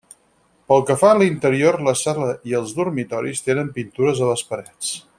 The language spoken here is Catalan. Pel que fa a l'interior la sala i els dormitoris tenen pintures a les parets.